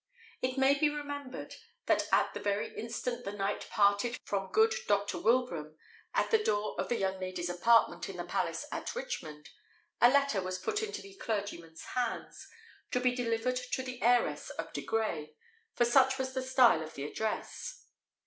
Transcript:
It may be remembered, that at the very instant the knight parted from good Dr. Wilbraham at the door of the young lady's apartment in the palace at Richmond, a letter was put into the clergyman's hands, to be delivered to the heiress of De Grey, for such was the style of the address.